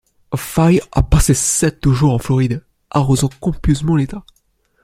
Fay a passé sept jours en Floride, arrosant copieusement l'État.